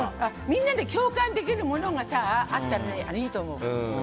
みんなで共感できるものがあったら、いいと思う。